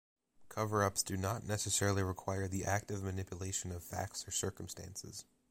Cover-ups do not necessarily require the active manipulation of facts or circumstances.